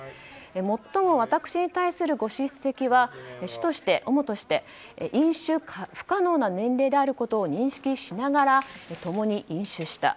最も私に対するご叱責は主として飲酒不可能な年齢であることを認識しながら共に飲酒した。